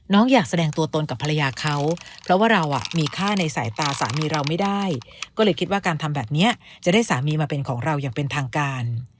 อยากแสดงตัวตนกับภรรยาเขาเพราะว่าเรามีค่าในสายตาสามีเราไม่ได้ก็เลยคิดว่าการทำแบบนี้จะได้สามีมาเป็นของเราอย่างเป็นทางการ